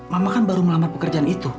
mama kan baru melamar pekerjaan itu